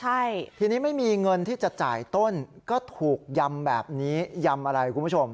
ใช่ทีนี้ไม่มีเงินที่จะจ่ายต้นก็ถูกยำแบบนี้ยำอะไรคุณผู้ชม